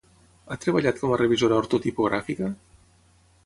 Ha treballat com a revisora ortotipogràfica?